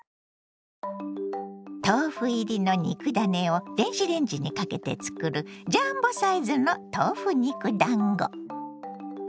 豆腐入りの肉ダネを電子レンジにかけて作るジャンボサイズの豆腐肉だんご。